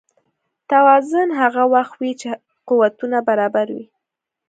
توازن هغه وخت وي چې قوتونه برابر وي.